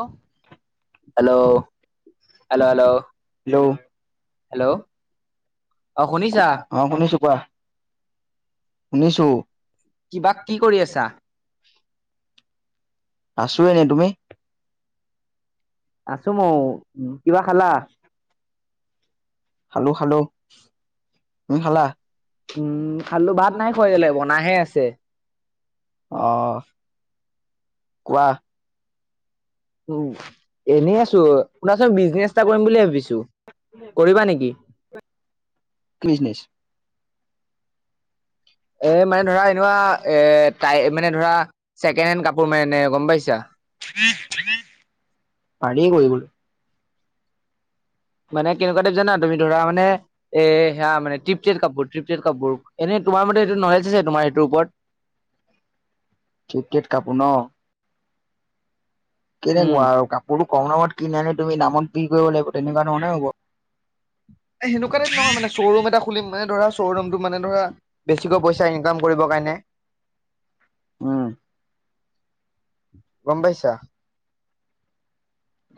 অঁ hello hello hello hello. অ শুনিছা অঁ শুনিছো কোৱা শুনিছো। কিবা কি কৰি আছা। আছো এনেই তুমি। আছো মই উ কিবা খালা। খালো খালো, তুমি খালা? উম খালোঁ ভাত নাই বনাহে আছে অঁহ, কোৱা? উম এনেই আছো শুনাচোন বিজনেছ এটা কৰিম বুলি ভাবিছো। কৰিবা নেকি! কি বিকনেচ। এ মানে ধৰা এনেৱা এ তাই মানে ধৰা ছেকেণ্ড হেণ্ড কাপোৰ মানে গম পাইছা পাৰিয়ে কৰি গলো। মানে কেনেকুৱা টাইপ জানা তুমি ধৰা মানে এ সেয়া মানে তৃপ্তট কাপোৰ তিপ্তেত কাপোৰ। এনে তোমাৰ মতে স এইটো নলেজ আছে তোমাৰ সটো ওপৰত। ক্ৰিকেট কাপোৰ ন। উম। কেনেকুৱা আৰু কাপোৰটো কম দামত কিনি আনি তুমি দামত বি কৰিব লাগিব তেনেকোৱা ধৰণে মনে হ'ব। এ সেনে কোৱা টাইপ নহয় মান শ্ব ৰুম এটা খুলিম মানে ধ শ্ব ৰুম মানে ধৰা বেছিকৈ পইচাঁ ইনকাম কৰিবৰ কাৰণে উম। গম পাইছা?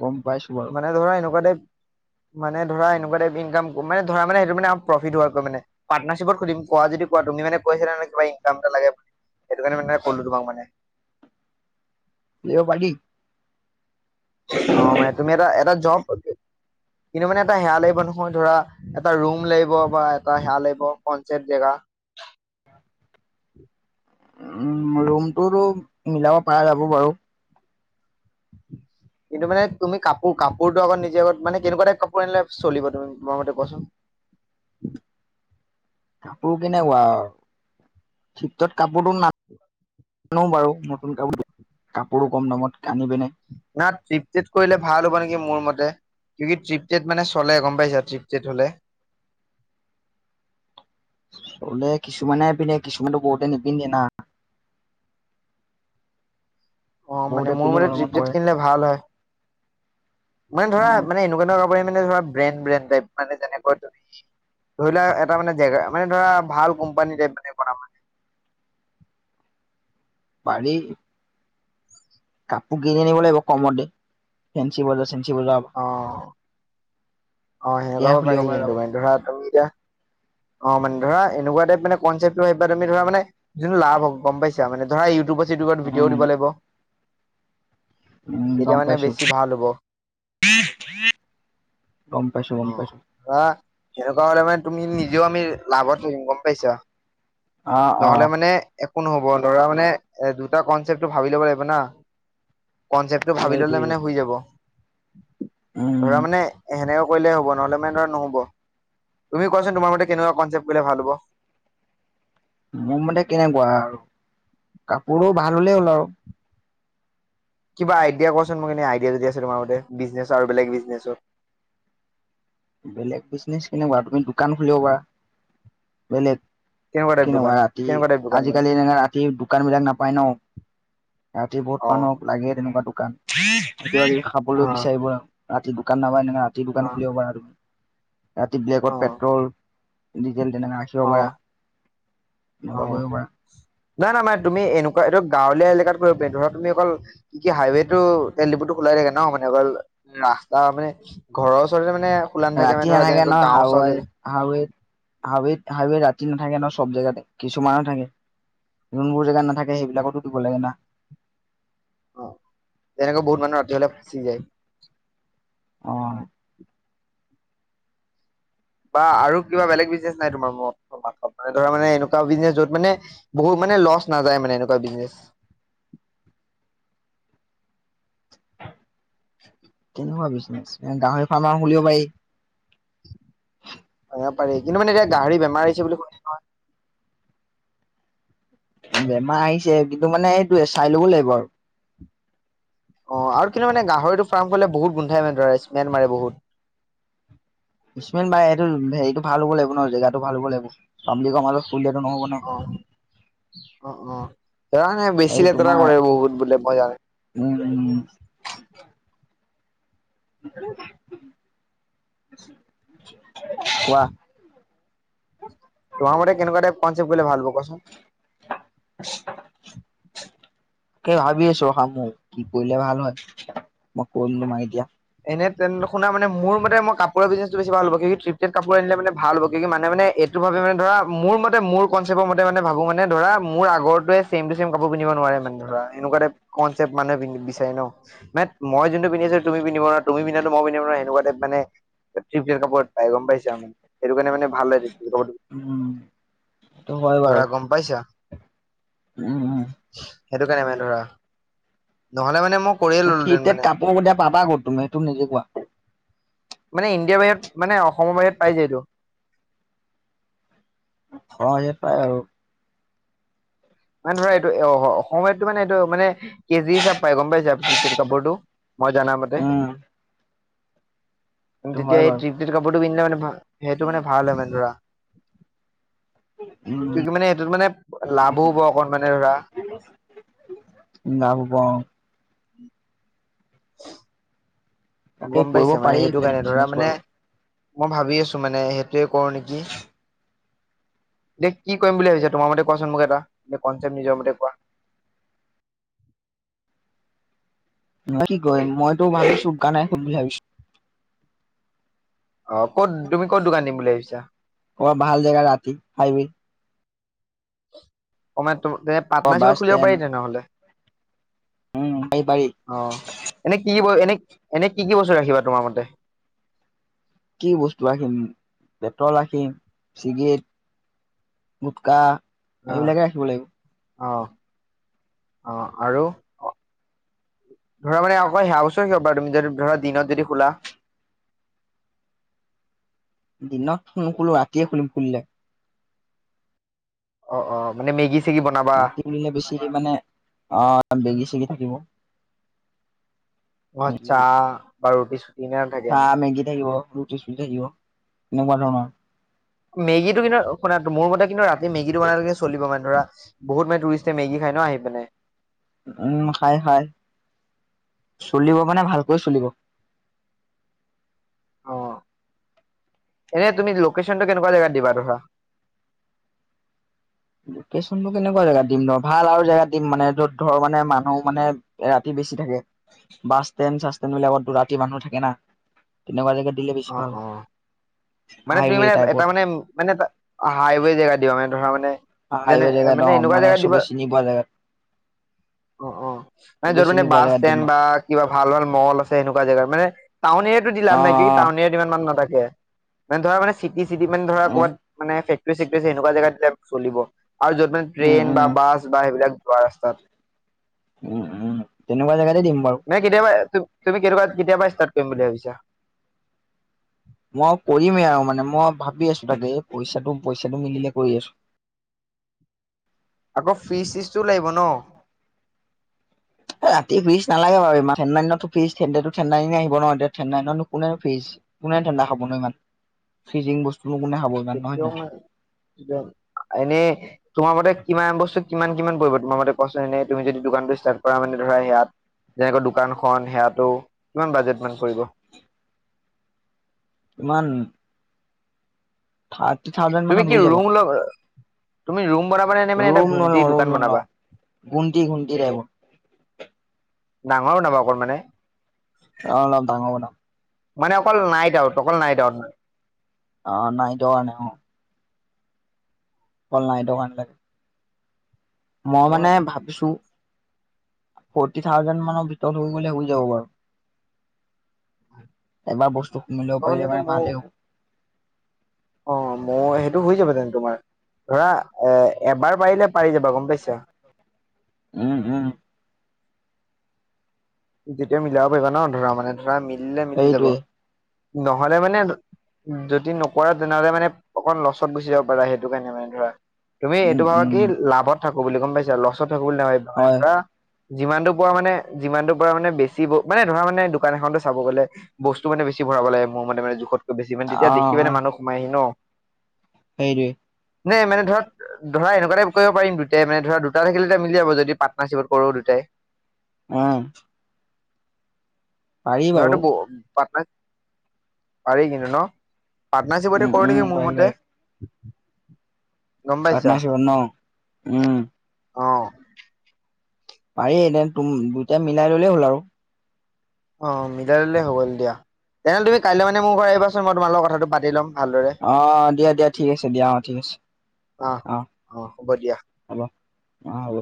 গম পাইছো বাৰু মানে ধৰা এনেকুৱা টাইপ- মানে ধৰা এনেকুৱা টাইপ ইনকাম- মানে ধৰা- মানে- সেইটো মানে প্ৰফিত হোৱা পাটনাৰশ্বিপত খুলিম, কোৱা যদি কোৱা, তুমি মানে কৈছিলা ন' কিবা ইনকাম এটা লাগে বুলি। সেইটো কাৰণে মানে কলোঁ তোমাক মানে। দিব পাৰি। অ' মানে তুমি এটা- এটা জব কিন্তু মানে এটা সেয়া লাগিব নহয়, ধৰা এটা ৰুম লাগিব বা এটা সেয়া লাগিব কনচেপ্ট জেগা। উম, ৰুমটোতো মিলাব পৰা যাব বাৰু। কিন্তু মানে তুমি কাপোৰ- কাপোৰ লগত নিজে আগত মানে কেনেকুৱা টাইপ কাপোৰ আনিলে চলিব তোমা ৰ মতে কোৱাচোন। কাপোৰ কেনেকুৱা আৰু। ঠিক তত কাপোৰতো নানো বাৰু। নতুন কাপোৰ- কাপোৰো কম দামত আনি পিনে না ত্ৰিপ-টিত কৰিলে ভাল হ'ব নেকি মোৰ মতে? কি ট্ৰিপটেট মানে চলে গম পাইছা? ট্ৰিপটেট হ'লে। বলে কিছুমানে পিন্ধে, কিছুমানতো বহুতে নিপিন্ধে না। অ' মানে বহুতে মোৰ পিন্ধি মানে অলপমান থ্ৰিফটেট কৰে কিনিলে ভাল হয়। মানে ধৰা মানে এনেকুৱা ধৰ মানে ধৰা ব্ৰেনড - ব্ৰেনড টাইপ, মানে যেনেকৈ [inaudible] ধৰি লোৱা এটা মানে জেগা- মানে ধৰা, ভাল কোম্পানী টাইপ মানে বনাম মানে। পাৰি। কাপোৰ কিনি আনিব লাগিব কমত দি, ফেঞ্চি বজাৰ চে ঞ্চি বজাৰৰ পা। অ' অ' সেনেকুৱাব পাৰি, কিন্তু মানে ধৰা তুমি এতিয়া অ' মানে ধৰা এনেকুৱা টাইপ মানে কনচেপটো এবাৰ তুমি ধৰা মানে যোনটো লাভ হ'ব গম পাইছা? মানে ধৰা ইউটিউবত- চিটিউবত ভিডিঅ' উম, দিব লাগিব। উম, গম তেতিয়া মানে পাইছো, বেছি ভাল হ'ব। গম পাইছো, গম অ' পাইছো। ধৰা সেনেকুৱা হ'লে মানে তুমি নিজে তো আমি লাভত থাকিম, গম পাইছা? অ', নহলে অ', মানে কোন হ'ব? ধৰা মানে এ দুটা কনচেপ্টটো ভাবি ল'ব লাগিব না। কনচেপ্টটো ভাবি ল'লে সেইটোৱেইটো মানে হৈ যাব। উম, ধৰা মানে সেনে কৰিলে হ'ব, নহলে মানে ধৰা নহ'ব। তুমি কোৱাচোন তোমাৰ মতে কেনেকুৱা কনচেপ্ট কৰিলে ভাল হ'ব। মোৰ মতে কেনেকুৱা আৰু, কাপোৰো ভাল হ'লেই হ'ল আৰু। কিবা আইডিয়া ক'চোন মোক এনে আই দিয়া যদি আছে তোমাৰ মতে, বিজনেছ আৰু বেলেগ বিজনেছত বেলেগ বিজনেছ কেনেকুৱা, তুমি দোকান খুলিব পাৰা। বেলেগ টাইপ দোকান কেনেকুৱা, ৰাতি কেনেকুৱা টাইপ দোকান মানে আজিকালি- এনে ৰাতি দোকান বিলাক নাপায় ন'। ৰাতি অ বহুত মানুহক লাগে তেনেকুৱা দোকান। এ কিবাকিবি অ খাবলৈ বিচাৰিব আৰু, ৰাতি দোকান নাপায়। এনেকা ৰাতি অ দোকান খুলিব পৰা তুমি। ৰাতি অ ব্লেকত পেট্ৰল, ডিজেল তেনেকৈ ৰাখিব অ পাৰা। এনেকুৱা অ' কৰিব পাৰা। নাই - নাই - নাই। তুমি এনেকুৱা এইটো গাঁৱলীয়া এলেকাত কৰিব বে ধৰা তুমি অকল কি হাইৱেটো তেল ডিপুটো খোলাই থাকে ন', মানে অকল ৰাস্তা মানে ঘৰৰ ওচৰতে মানে খোলা নাথাকে, ৰাতি মানে ধৰা যেনেকৈ গাওঁ-চাওঁ জেগা হাইৱেত- হাইৱে ৰাতি নাথাকে ন' চব জেগাতে। কিছুমানত থাকে। যোনবোৰ জেগাত নাথাকে সেইবিলাকতো দিব লাগে না। অ'। তেনেকুৱা বহুত মানুহৰ হ'লে ফছি যায়। অ'। বা আৰু কিবা বেলেগ বিজনেছ নাই তোমাৰ ম- মাত- মানে ধৰা মানে এনেকুৱা বিজনেছ য'ত মানে বহুত মানে লছ নাযায় মানে, এনেকুৱা বিজনেছ। কেনেকুৱা বিজনেচ গাহৰি ফাৰ্মাও খুলিব পাৰি। হয়। বেমাৰ আহিছে কিন্তু মানে এইটোয়ে চাই ল'ব লাগিব আৰু। অহ, আৰু কিন্তু মানে গাহৰিটো ফাৰ্ম খোলিলে বহুত গোন্ধাই মানে ধৰা স্মেল মাৰে বহুত। ইছমেল মাৰে এইটো হেৰিটো ভাল হ'ব লাগিব ন'জেগাটো ভাল হ'ব লাগিব যাম বুলি কম আৰু। কলিয়টো নহ'ব ন'। অহ -অহ তাৰমানে এইটো বেছি লেতেৰা তোমাৰ কৰে বহুত বোলে বজাৰ। উম [unintelligible] কোৱা? তোমাৰমতে কেনেকোৱা টাইপ কনচেপ্ট কৰিলে ভাল হ'ব কোৱা চোন? [inaudible] তাকেই ভাবি আছো ৰখা মও কি কৰিলে ভাল হয়, মই কম তোমাক এতিয়া। এনে তেন শুনা মানে মোৰ মতে মই কাপ কাপোৰৰ বিজনেছটো বেছি ভাল হ'ব কিকি তৃপ্তেত কাপোৰ আনিলে মানে ভাল হ'ব কিকি মানুহে মানে এইটো ভাবিব ধৰা মোৰমতে মোৰকনচেপ মতে মানে ভাবো মানে ধৰা মোৰ আগৰটোৱে ছেমটো ছেম কাপোৰ পিন্ধিব নোৱাৰে মানে ধৰা এনেকুৱা টাইপ কনচেপট মানে পিন্ধিম বিচাৰে ন' মানে মই যোনটো পিন্ধি আছো তুমি পিন্ধিব পাৰা তুমি পিন্ধাটো মই পিন্ধিব পাৰোঁ সেনেকুৱা টাইপ মানে [unintelligible] গম পাইছা মানে সেইটো কাৰণে মানে [unintelligible] উম সেইটো হয় বাৰু ধৰা গম পাইছা? উম উম সেইটো কাৰণে মানে ধৰা নহলে মানে মোক সি তেত কাপোৰ কত এতিয়া পাবা কত তুমি সেইটো নিজে কোৱা? মানে ইণ্ডিয়াৰ বাহিৰত মানে অসমৰ বাহিৰত পাই যায়টো। অহ ইয়াত পায় আৰু মানে ধৰা এইটো অসমতো মানে এইটো মানে কেজি হিচাপ পাই গম পাইছা তিপ্লেত কাপোৰটো মই যানা মতে উম সেইটো তেতিয়া হয় এই বাৰু তৃপ্লেত কাপোৰটো পিন্ধিলে মানে সেইটো মানে ভাল হয় মানে ধৰা উম কিউকি এইটোত মানে লাভ বহু ব অকনমানে ধৰা লাভ হ'ব অ [inaudible] তাকে গম কৰিব পাইছে মানে পাৰি সেইটো এইবিলাক কাৰণে ধৰা বিজনেচ মানে বাৰু মই ভাবি আছোঁ মানে সেইটোৱে কৰোঁ নেকি দেই কি কৰিম বুলি ভাবিছা তোমাৰ মতে কোৱাচোন মোক এটা? কিবা কনচেপ্ট নিজৰ মতে কোৱা মই কি কৰিম মইতো ভাবিছোঁ গানে শুনি ভাবিছোঁ অ ক'ত তুমি ক'ত দোকান দিম বুলি ভাবিছা [unintelligible] কবা ভাল জেগা ৰাতি আহিবি [unintelligible] তো যে অ বাছ পাৰ্টনাৰশ্বিপত খুলিব ষ্টেণ্ড পাৰি তেনেহলে উম পাৰি পাৰি অহ, এনে কি ব এনেই এনেই কি- কি বস্তু ৰাখিবা তোমাৰ মতে কি বস্তু ৰাখিম পেট্ৰল ৰাখিম, চিগেইট গোটকা এইবিলাকে ৰাখিব লাগিব। অহ -অহ আৰু ধৰা মানে আকৌ সেয়া বস্তু ৰাখিব পাৰা তুমি যদি ধৰা দিনত যদি খোলা দিনত নোখোলো ৰাতিয়ে খুলিম খুলিলে অহ - অহ মানে মেগী চেগি বনাবা ৰাতি খুলিলে বেছি মানে অহ মেগী-চেগী থাকিব। অহ, চাহ বা বিচ চাহ -মেগী থাকিব, ৰুটি-চুটি থাকিব, তেনেকুৱা ধৰণৰ মেগী টো কিন্তু শুনা মোৰ মতে কিন্তু ৰাতি মেগীটো বনালে চলিব মানে ধৰা বহুত মানে টুৰিষ্টে মেগী খাই ন' আহি পিনে উম, খায় -খায়। চলিব মানে ভালকৈ চলিব অ, এনে তুমি লোকেশ্যনটো কেনেকুৱা জেগাত দিবা ধৰা লোকেশ্যনটো কেনেকুৱা জেগাত দিম ন ভাল আৰু জেগাত দিম মানে য'ত ধৰ মানে মানুহ মানে ৰাতি বেছি থাকে। বাছষ্টেণ্ড- চাছষ্টেণ্ড বিলাকত ৰাতি মানুহ থাকে না তেনেকুৱা জেগাত দিলে বেছি অ, ভাল হয় অ, মানে তুমি হাইৱে মানে এটা টাইপত মানে মানে এটা হাইৱে জেগা দিবা মানে ধৰা মানে যেনে হাইৱে জেগাত মানে অ এনেকুৱা জেগাত দিবা চবে চিনি পোৱা জেগাত অ, অ, মানে চবে য'ত মানে চিনি পোৱা জেগাত দিম বাছষ্টেণ্ড অ বা কিবা ভাল ভাল মল আছে এনেকুৱা জেগাৰ মানে টাউন এৰিয়াটো দি লাভ নাই নেকি টাউন অ এৰিয়াত ইমান মানুহ নাথাকে, মানে ধৰা মানে চিটি চিটি মানে ধৰা কবাত মানে ফেক বেছি এনেকুৱা জেগাত দিলে চলিব আৰু য'ত মানে উম উম ট্ৰেইন বাছ উম বা বাছ সেইবিলাক যোৱা ৰাস্তাত উম! উম! তেনেকুৱা জেগাতে দিম বাৰু মানে কেতিয়াবা তুমি কো কেতিয়াবা ষ্টাৰ্ট কৰিম বুলি ভাবিছা? মই কৰিমেই আৰু মানে মই ভাবি আছোঁ তাকে পইচাটো পইচাটো মিলিলে কৰি আছোঁ। [inaudible] আকৌ ফ্ৰিচ চিজটোও লাগিব ন? এ ৰাতি ফ্ৰিজ নালাগে বাৰু ইমান ঠান্দা দিনততো ফ্ৰিজ ঠান্দাটো ঠান্দা দিনেই আহিব নহ ঠান্দা দিনতো নো কোনে ফ্ৰিজ কোনে ঠান্দা খাব ন ইমান ফ্ৰিজিং বস্তু তেতিয়াও ম এনেই তোমাৰ মতে কিমান বস্তু কিমান কিমান পৰিব তোমাৰ মতে কোৱাচোন এনেই তুমি যদি দোকানটো ষ্টাৰ্ট কৰা মানে ধৰা সেয়াত যেনেকৈ দোকানখনন সেয়াটো কিমান বাজেট মান পৰিব ইমান থাৰ্টি থাউজেণ্ড তুমি মানত কি হৈ যাব ৰুম ল তুমি ৰুম বনাবা নে নে মানে এটা ৰুম ঘুমটি নলওঁ ৰুম দোকান নলওঁ বনাবা ঘুন্টি ঘুণ্টি লাগে [unintelligible] ডাঙৰ [unintelligible] অলপ ডাঙৰ বনাম মানে অকল নাই দা অকল নাই দাউত [unintelligible] অ নাই যোৱা নাই অ কল নাইটো কাকে [unintelligible] মই মানে আউট ভাবিছো ফৰ্টি থাউজেণ্ড মানৰ ভিতৰত হৈ গলে হৈ যাব বাৰু এবাৰ বস্তু কুনিলেও পাৰিলে হ'লেতো মানে মৌ ভালেওঁ অ মই সেইটো হৈ যাব তেন তোমাৰ ধৰা এ এবাৰ পাৰিলে পাৰি যাবা গম পাইছা উম উম যেতিয়া মিলাব পাৰিবা ন ধৰা মানে ধৰা মিলিলে মিলি যাব সেইটোৱে নহলে মানে যদি নকৰা তেনেহলে মানে অকণ লচত গুচি যাব পাৰা সেইটো কাৰণে মানে ধৰা তুমি এইটো উম ভাবা উম কি লাভত থাকো বুলি গম পাইছা লচত থ নে হয় ধৰা যিমানটো প মানে যিমানটো [unintelligible] মানে বেছি মানে ধৰা মানে দোকান এখনতো চাব গলে বস্তু মেছি ভৰাব লাগে মোৰ মতে মানে জোখত বেছি মে তেতিয়া অ দেখি পেনে অ মানুহ সোমাই আহি ন সেইটোৱে [unintelligible] নে মানে ধক ধৰা এনেকুৱাই কৰিব পাৰিম দুটাই মানে ধৰা দুটা থাকিলে এ মিলি যদি পাটনাৰশ্বিপত [unintelligible] কৰো দুটাই উম পাৰি বাৰু [unintelligible] পাৰ্টনাৰশ্বিপতে উম কৰো উম নেকি মোৰ পাৰি মতে গম পাইছা পাটনাশীপত ন উম অ পাৰি এ তুম দুইটাই মিলাই ললেই হ'ল আৰু অ মিলাই লিলেই হ গ'ল দিয়া তেনেহলে তুমি কাইলৈ মানে মোৰ ঘৰ আহিবাচোন মই তোমাৰ লগত কথাটো পাতি ল'ম ভালদৰে আহ দিয়া দিয়া ঠিক আছে দিয়া অ ঠিক আছে অ হ'ব দিয়া। হব অ হ'ব